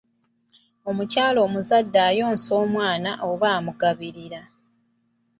Omukyala omuzadde ayonsa omwana oba amugabirira.